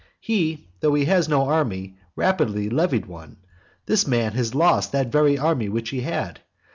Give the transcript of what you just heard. He, though he had no army, rapidly levied one. This man has lost that very army which he had.